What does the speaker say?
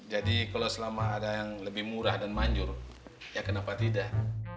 jadi kalau selama ada yang lebih murah dan manjur ya kenapa tidak